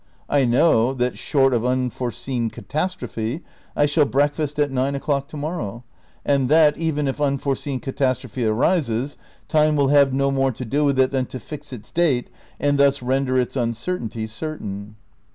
I know that, short of unforeseen catastrophe, I shall breakfast at nine o'clock tomorrow, and that, even if unforeseen catastrophe arises, time will have no more to do with it than to fix its date and thus render its uncertainty certain.